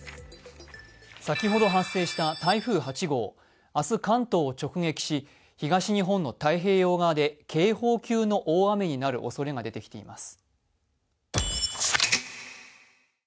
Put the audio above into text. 先ほど発生した台風８号、明日関東を直撃し、東日本の太平洋側で警報級の大雨になるおそれが出てきています。